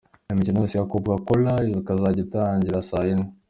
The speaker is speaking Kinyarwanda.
Iyi mikino yose ya Copa Coca-Cola ikazajya itangira saa yine.